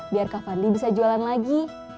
biar kak fadli bisa jualan lagi